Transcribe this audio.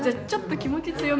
気持ち強め。